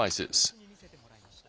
特別に見せてもらいました。